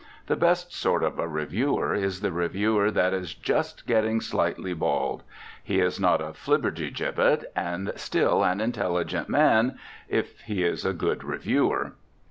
The best sort of a reviewer is the reviewer that is just getting slightly bald. He is not a flippertigibbet, and still an intelligent man if he is a good reviewer.